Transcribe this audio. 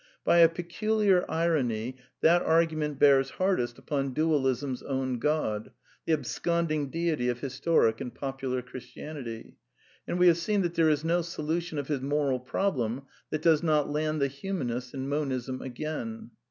By a peculiar irony that argument bears hardest upon Dualism's own god, the absconding Deity of historic and popular Christianity; and we have seen that there is no solution of his moral problem that does not land the humanist in Monism again.